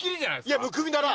いや「むくみ」だな。